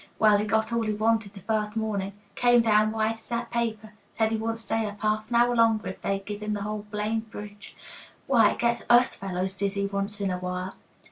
Well, he got all he wanted the first morning. Came down white as that paper. Said he wouldn't stay up half an hour longer if they'd give him the whole blamed bridge. Why, it gets us fellows dizzy once in a while."